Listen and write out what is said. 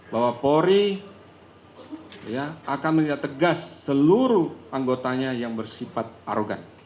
bahwa polri akan menindak tegas seluruh anggotanya yang bersifat arogan